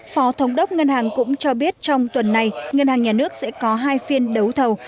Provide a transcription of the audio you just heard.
phó thống đốc ngân hàng cũng cho biết trong tuần này ngân hàng nhà nước sẽ có hai phiên đấu thầu